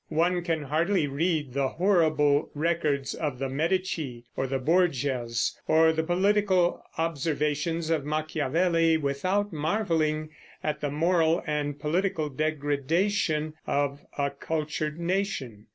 One can hardly read the horrible records of the Medici or the Borgias, or the political observations of Machiavelli, without marveling at the moral and political degradation of a cultured nation.